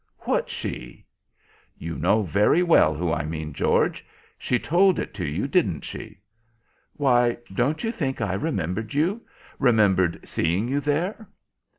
What she?" "You know very well who I mean, George. She told it to you, didn't she?" "Why, don't you think I remembered you—remembered seeing you there?"